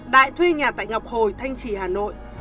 đại thuê nhà tại ngọc hồi thanh trì hà nội